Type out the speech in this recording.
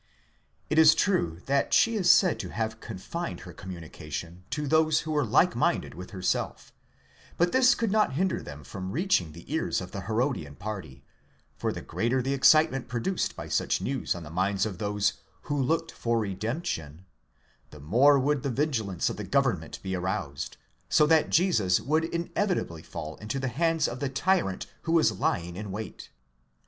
It is true that she is said to have confined her communica tions to those who were like minded with herself (ἐλάλει περὶ αὐτοῦ πᾶσι τοῖς προσδεχομένοις λύτρωσιν ἐν Ἱερουσαλὴμ), but this could not hinder them from reaching the ears of the Herodian party, for the greater the excitement pro duced by such news on the minds of those who looked for redemption, the more would the vigilance of the government be aroused, so that Jesus would inevitably fall into the hands of the tyrant who was lying in wait.